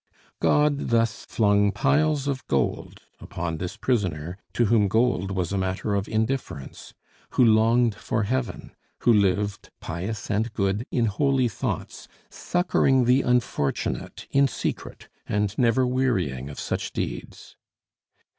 God thus flung piles of gold upon this prisoner to whom gold was a matter of indifference, who longed for heaven, who lived, pious and good, in holy thoughts, succoring the unfortunate in secret, and never wearying of such deeds.